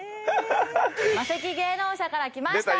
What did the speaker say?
マセキ芸能社から来ました